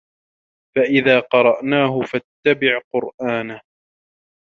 فَإِذا قَرَأناهُ فَاتَّبِع قُرآنَهُ